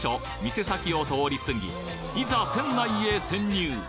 店先を通り過ぎいざ店内へ潜入！